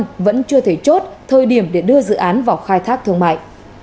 hà nội vẫn chưa thấy chốt thời điểm để đưa dự án vào khai thác thương mại